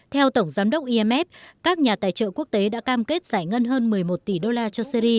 theo tổng giám đốc imf các nhà tài trợ quốc tế đã cam kết giải ngân hơn một mươi một tỷ đô la cho syri